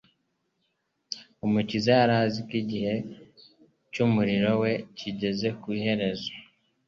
Umukiza yari azi ko igihe cy'umurimo we kigeze ku iherezo